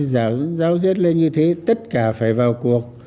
giáo diết lên như thế tất cả phải vào cuộc